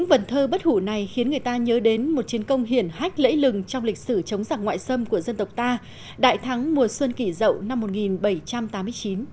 vần thơ bất hủ này khiến người ta nhớ đến một chiến công hiển hách lễ lừng trong lịch sử chống giặc ngoại xâm của dân tộc ta đại thắng mùa xuân kỷ dậu năm một nghìn bảy trăm tám mươi chín